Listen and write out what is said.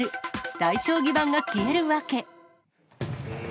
大将棋盤が消える訳。